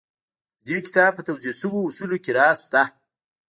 د دې کتاب په توضيح شويو اصولو کې راز شته.